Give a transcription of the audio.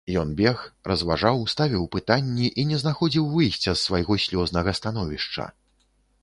Ён бег, разважаў, ставіў пытанні і не знаходзіў выйсця з свайго слёзнага становішча.